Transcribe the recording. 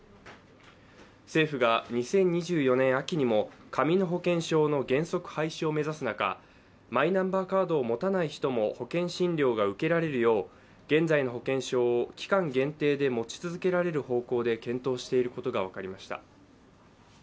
政府が２０２４年秋にも紙の保険証の原則廃止を目指す中、マイナンバーカードを持たない人も保険診療が受けられるよう現在の保険証を期間限定で持ち続けられる方向で検討していることが分かりました。